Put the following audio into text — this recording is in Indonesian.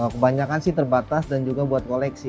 kebanyakan sih terbatas dan juga buat koleksi